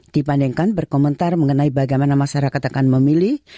dibandingkan berkomentar mengenai bagaimana masyarakat akan memilih